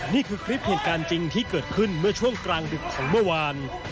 นี่คือคลิปเหตุการณ์จริงที่เกิดขึ้นเมื่อช่วงกลางดึกของเมื่อวาน